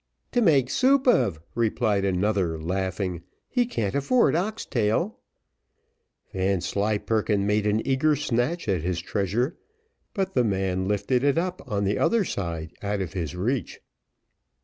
"To make soup of," replied another, laughing; "he can't afford ox tail." Vanslyperken made an eager snatch at his treasure; but the man lifted it up on the other side, out of his reach.